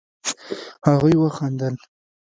هغوئ وخندل.